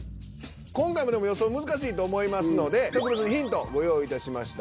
今回もでも予想難しいと思いますので特別にヒントご用意いたしました。